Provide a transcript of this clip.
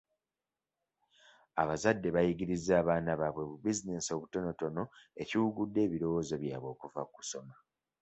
Abazadde bayigirizza abaana bwabwe bu bizinensi obutonotono ekiwugudde ebirowoozo byabwe okuva ku kusoma.